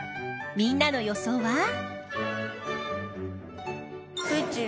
みんなの予想は？